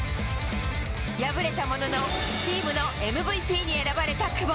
敗れたものの、チームのＭＶＰに選ばれた久保。